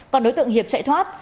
còn đối tượng hiệp chạy thoát